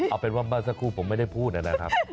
เอาเป็นว่าเมื่อสักครู่ผมไม่ได้พูดนะครับ